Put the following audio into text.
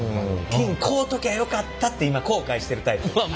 金買うときゃよかったって今後悔してるタイプ。